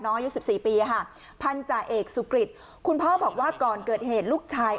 น้อย๑๔ปีพันธุ์จ่ายเอกสุขฤตคุณพ่อบอกว่าก่อนเกิดเหตุลูกชาย